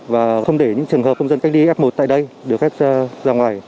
và không để những trường hợp công dân cách ly f một tại đây được phép ra ngoài